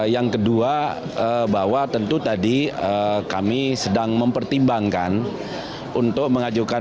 yang kedua bahwa tentu tadi kami sedang mempertimbangkan